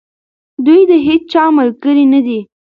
دوی د هیچا ملګري نه دي.